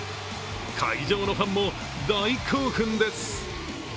会場のファンも大興奮です。